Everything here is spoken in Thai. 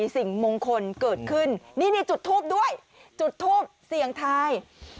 สิ่งมงคลเกิดขึ้นนี่นี่จุดทูบด้วยจุดทูปเสี่ยงทาย